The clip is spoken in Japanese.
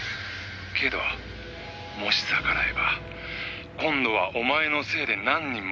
「けどもし逆らえば今度はお前のせいで何人も人が死ぬ」